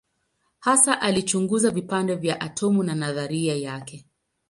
Hasa alichunguza vipande vya atomu na nadharia yake.